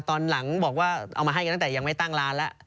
ตอนหลังบอกว่าเอามาให้กันตั้งแต่ยังไม่ตั้งร้านแล้ว